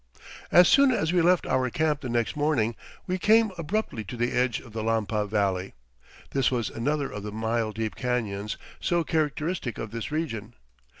As soon as we left our camp the next morning, we came abruptly to the edge of the Lampa Valley. This was another of the mile deep canyons so characteristic of this region.